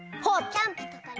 キャンプとかに。